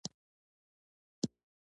هڅه او زیار هر څه بدلولی شي.